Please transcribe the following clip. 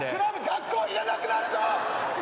学校いれなくなるぞ！